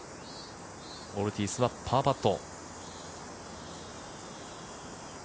オルティーズはパーパット。